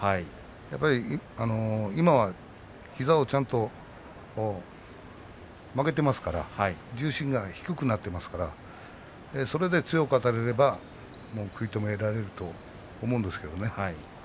やっぱり今は、膝をちゃんと曲げていますから重心が低くなっていますからそれで強くあたることができれば食い止められると思うんですけどね。